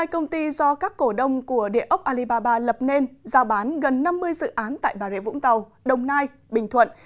hai mươi hai công ty do các cổ đông của địa ốc alibaba lập nên ra bán gần năm mươi dự án tại bà rệ vũng tàu đồng nai bình thuận